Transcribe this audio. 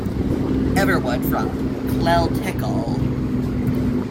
Everwood from "Clell Tickle".